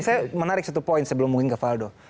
saya menarik satu poin sebelum mungkin ke faldo